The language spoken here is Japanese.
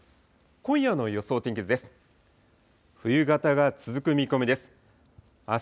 今夜の予想天気図です。